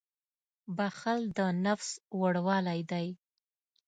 • بښل د نفس لوړوالی دی.